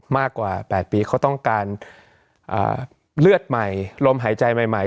มากกว่า๘ปีเขาต้องการเลือดใหม่ลมหายใจใหม่